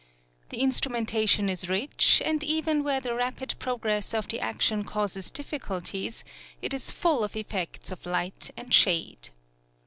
The instrumentation is rich, and even where the rapid progress of the action causes difficulties, it is full of effects of light and shade.